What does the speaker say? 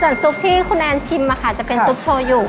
ส่วนซุปที่คุณอันชิมค่ะจะเป็นซุปโชยุ